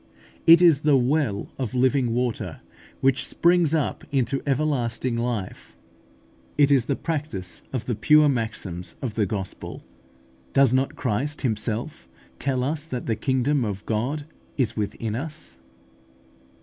xiii. 44, 46). It is the well of living water, which springs up into everlasting life (John iv. 14). It is the practice of the pure maxims of the gospel. Does not Christ Himself tell us that the kingdom of God is within us?